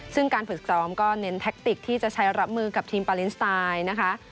ซึ่งการฝึกซ้อมก็เน้นแท็กติกที่จะใช้รับมือกับทีมปาเลนสไตล์นะคะ